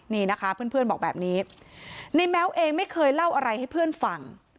นี่นะคะเพื่อนบอกแบบนี้ในแม้วเองไม่เคยเล่าอะไรให้เพื่อนฟัง